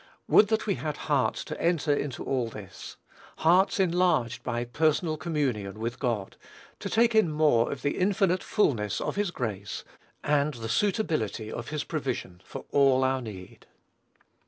Would that we had hearts to enter into all this, hearts enlarged by personal communion with God, to take in more of the infinite fulness of his grace, and the suitability of his provision, for all our need.